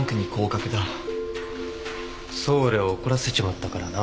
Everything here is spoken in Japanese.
太陽を怒らせちまったからな。